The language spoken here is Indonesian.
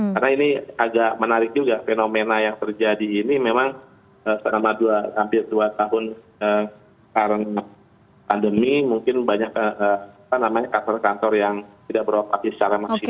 karena ini agak menarik juga fenomena yang terjadi ini memang selama dua hampir dua tahun karena pandemi mungkin banyak apa namanya kantor kantor yang tidak beroperasi secara maksimal